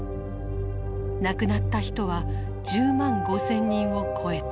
亡くなった人は１０万５，０００人を超えた。